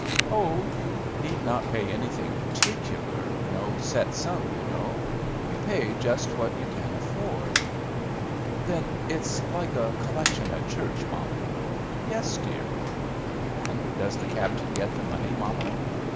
"Oh, you need not pay anything particular—no set sum, you know. You pay just what you can afford." "Then it's like a collection at church, mamma?" "Yes, dear." "And does the captain get the money, mamma?"